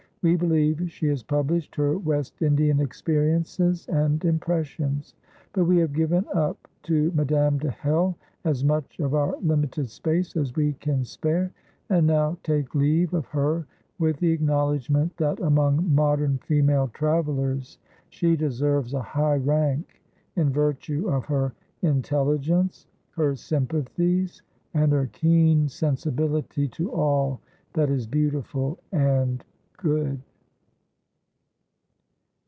We believe she has published her West Indian experiences and impressions. But we have given up to Madame de Hell as much of our limited space as we can spare, and now take leave of her with the acknowledgment that among modern female travellers she deserves a high rank in virtue of her intelligence, her sympathies, and her keen sensibility to all that is beautiful and good.